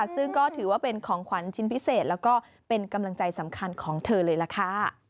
ซึ่งก็ถือว่าเป็นของขวัญชิ้นพิเศษแล้วก็เป็นกำลังใจสำคัญของเธอเลยล่ะค่ะ